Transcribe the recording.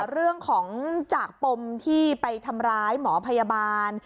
เรื่องของจากปมที่ไปทำร้ายหมอพยาบาล